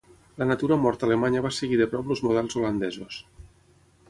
La natura morta alemanya va seguir de prop els models holandesos.